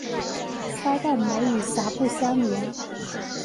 腮盖膜与峡部相连。